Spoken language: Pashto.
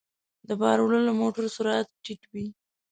د بار وړلو موټر سرعت ټيټ وي.